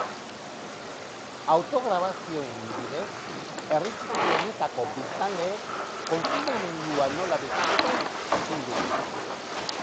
Autograbazioen bidez, herri txiki honetako biztanleek konfinamendua nola bizi duten jakingo dugu.